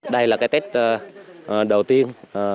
đây là cái tết đầu tiên